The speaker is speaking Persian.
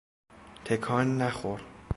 تکان نخور!